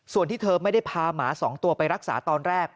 ส่วนที่เธอไม่ได้พาหมา๒ตัวไปรักษาตอนแรก